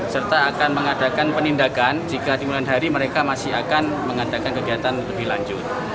serta akan mengadakan penindakan jika di bulan hari mereka masih akan mengadakan kegiatan lebih lanjut